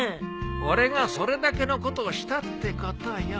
俺がそれだけのことをしたってことよ。